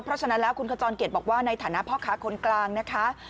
เพราะฉะนั้นแล้วคุณขจรเกียจบอกว่าในฐานะพ่อค้าคนกลางนะคะ